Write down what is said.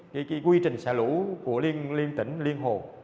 cái quy trình xả lũ của liên tỉnh liên hồ